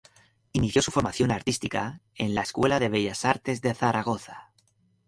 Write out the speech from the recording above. Inició su formación artística en la escuela de Bellas Artes de Zaragoza.